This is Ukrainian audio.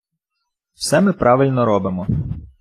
Все ми правильно робимо.